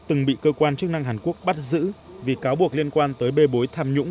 từng bị cơ quan chức năng hàn quốc bắt giữ vì cáo buộc liên quan tới bê bối tham nhũng